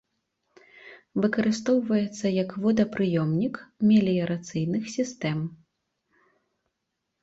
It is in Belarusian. Выкарыстоўваецца як водапрыёмнік меліярацыйных сістэм.